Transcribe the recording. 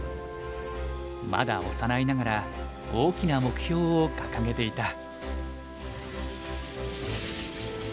まだ幼いながら大きな目標を掲げていた。